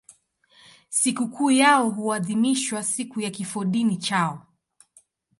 Sikukuu yao huadhimishwa siku ya kifodini chao.